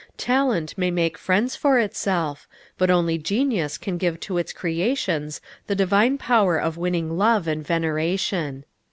Talent may make friends for itself, but only genius can give to its creations the divine power of winning love and veneration.